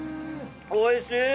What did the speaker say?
おいしい！